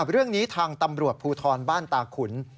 เรื่องนี้ทางตำรวจภูทรบ้านตาขุน